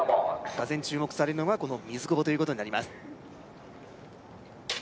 がぜん注目されるのがこの水久保ということになります